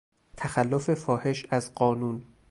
تخلف فاحش از قانون